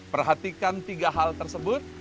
perhatikan tiga hal tersebut